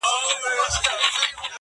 داسي چي حیران، دریان د جنگ زامن وي ناست.